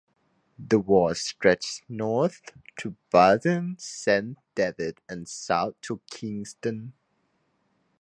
The ward stretches north to Barton Saint David and south to Kingsdon.